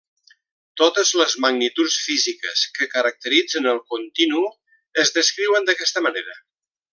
Totes les magnituds físiques que caracteritzen el continu es descriuen d'aquesta manera.